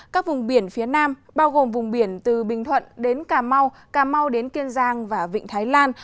các vùng biển phía nam bao gồm vùng biển từ bình thuận đến cà mau cà mau đến kiên giang và vịnh thái lan